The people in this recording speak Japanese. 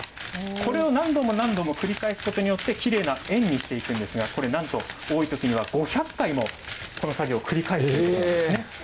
これを何度も何度も繰り返すことによって、きれいな円にしていくんですけれども、これなんと、多いときには５００回もこの作業、繰り返すということなんですね。